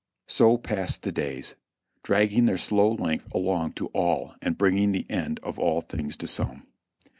So passed the days, dragging their slow length along to all and bringing the end of all things to some.